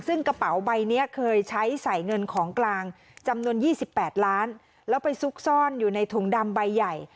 ซึ่งกระเป๋าใบนี้เคยใช้ใส่เงินของกลางจำนวน๒๘ล้านแล้วไปซุกซ่อนอยู่ในถุงดำใบใหญ่